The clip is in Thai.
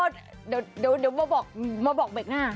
เดี๋ยวมาบอกเบรกหน้า